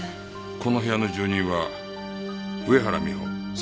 この部屋の住人は上原美帆３５歳。